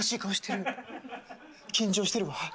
緊張してるわ。